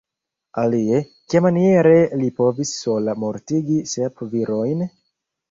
Alie, kiamaniere li povis sola mortigi sep virojn?